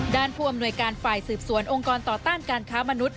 ผู้อำนวยการฝ่ายสืบสวนองค์กรต่อต้านการค้ามนุษย